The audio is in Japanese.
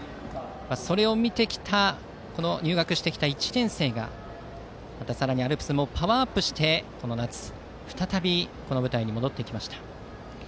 それを見てきた入学してきた１年生がさらにアルプスもパワーアップしてこの夏この舞台に戻ってきました。